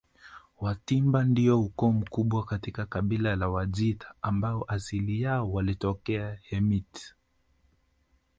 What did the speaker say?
Watimba ndio ukoo mkubwa katika kabila la Wajita ambao asili yao walitokea Hemit